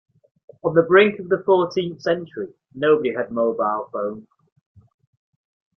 On the brink of the fourteenth century, nobody had mobile phones.